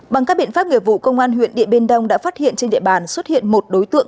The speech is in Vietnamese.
bằng các biện pháp nghiệp vụ công an huyện điện biên đông đã phát hiện trên địa bàn xuất hiện một đối tượng